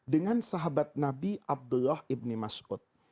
dengan sahabat nabi abdullah ibni maskud